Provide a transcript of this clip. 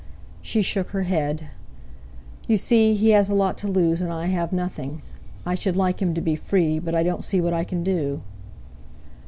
She shook her head. "You see, he has a lot to lose; and I have nothing. I should like him to be free; but I don't see what I can do."